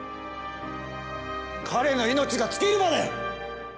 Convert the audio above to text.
彼の命が尽きるまで！